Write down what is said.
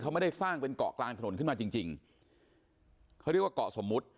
เขาไม่ได้สร้างเป็นเกาะกลางถนนขึ้นมาจริงจริงเขาเรียกว่าเกาะสมมุติ